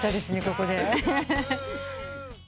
ここで。